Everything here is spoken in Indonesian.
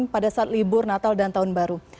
pada saat libur natal dan tahun baru